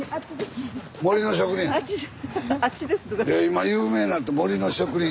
今有名になった森の植林。